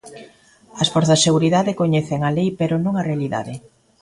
A forzas de seguridade coñecen a lei, pero non a realidade.